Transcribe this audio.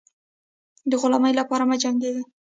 د غلامۍ لپاره مه جنګېږی.